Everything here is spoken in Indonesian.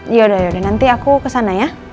yaudah yaudah nanti aku kesana ya